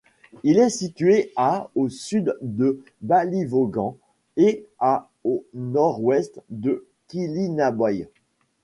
Il est situé à au sud de Ballyvaughan et à au nord-ouest de Killinaboy.